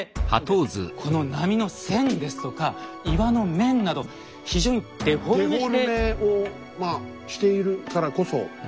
この波の線ですとか岩の面など非常にデフォルメして。